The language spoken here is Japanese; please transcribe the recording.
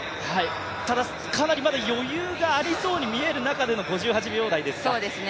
ただかなりまだ余裕があるように見える中での５８秒ですか。